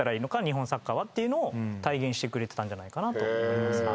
日本サッカーは」を体現してくれたんじゃないかなと思います。